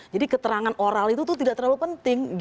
jadi keterangan oral itu tidak terlalu penting